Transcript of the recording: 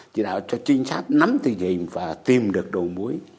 chỉ đạo cho trinh sát nắm tình hình và tìm được đồ mũi